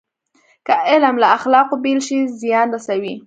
که علم له اخلاقو بېل شي، زیان رسوي.